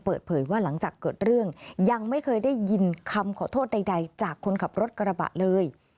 เปิดเผยว่าหลังจากเกิดเรื่องยังไม่เคยได้ยินคำขอโทษใดจากคนขับรถกระบะเลย